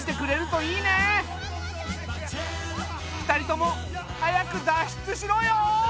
２人とも早く脱出しろよ！